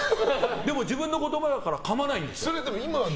でも自分の言葉だからかまないんですよ。